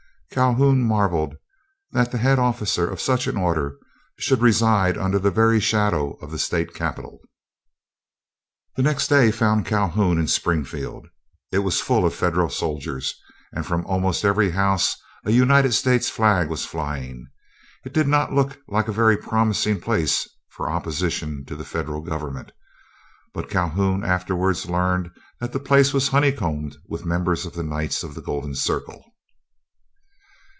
Calhoun marvelled that the head officer of such an order should reside under the very shadow of the state capitol. The next day found Calhoun in Springfield. It was full of Federal soldiers, and from almost every house a United States flag was flying. It did not look like a very promising place for opposition to the Federal government, but Calhoun afterwards learned that the place was honeycombed with members of the Knights of the Golden Circle.